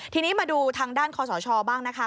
ทีนี้มาดูทางด้านคอสชบ้างนะคะ